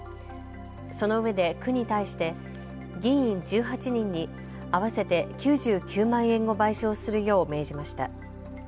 そのうえで区に対して議員１８人に合わせて９９万円を賠償するよう命じました。